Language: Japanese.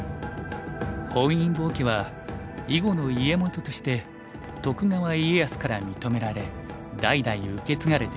本因坊家は囲碁の家元として徳川家康から認められ代々受け継がれてきた。